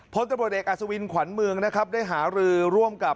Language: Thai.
พลตำรวจเอกอัศวินขวัญเมืองนะครับได้หารือร่วมกับ